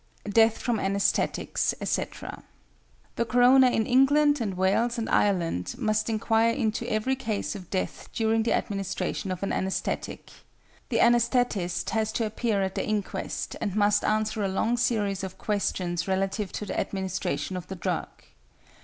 DEATH FROM ANÆSTHETICS, ETC. The coroner in England and Wales and Ireland must inquire into every case of death during the administration of an anæsthetic. The anæsthetist has to appear at the inquest, and must answer a long series of questions relative to the administration of the drug.